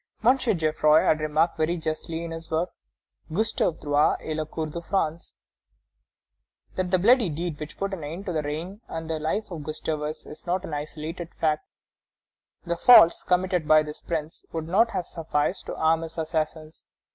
M. Geffroy has remarked very justly in his work, Gustave III. et la cour de France, that the bloody deed which put an end to the reign and the life of Gustavus is not an isolated fact: "The faults committed by this Prince would not have sufficed to arm his assassins.